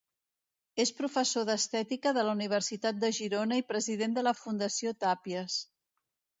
És professor d’estètica de la Universitat de Girona i president de la Fundació Tàpies.